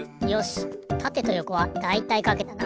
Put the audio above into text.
たてとよこはだいたいかけたな。